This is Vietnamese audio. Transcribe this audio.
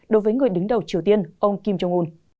đối với người đứng đầu triều tiên ông kim jong un